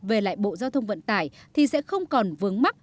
về lại bộ giao thông vận tải thì sẽ không còn vướng mắt